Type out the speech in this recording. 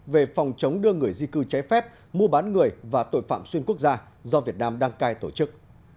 về phòng chống đưa người di cư trái phép mua bán người và tội phạm xuyên quốc gia do việt nam đăng cai tổ chức